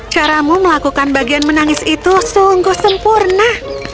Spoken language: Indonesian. caramu melakukan bagian menangis itu sungguh sempurna